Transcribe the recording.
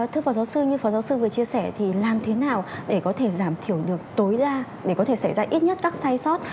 thưa phó giáo sư như phó giáo sư vừa chia sẻ thì làm thế nào để có thể giảm thiểu được tối đa để có thể xảy ra ít nhất các sai sót